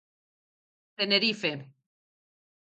Tenerife.